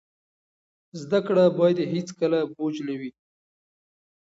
زده کړه باید هیڅکله بوج نه وي.